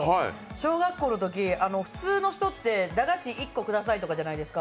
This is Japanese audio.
小学校のとき、普通の人って「駄菓子１個ください」じゃないですか。